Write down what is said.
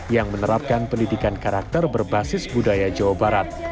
yang menerapkan pendidikan karakter berbasis budaya jawa barat